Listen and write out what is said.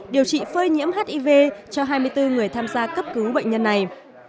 điều trị phơi nhiễm hiv cho hai mươi bốn người tham gia cấp cứu bệnh nhân này